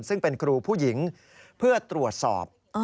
ซึ่งเป็นครูผู้หญิงเพื่อตรวจสอบ